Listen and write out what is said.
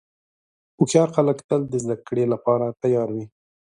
هوښیار خلک تل د زدهکړې لپاره تیار وي.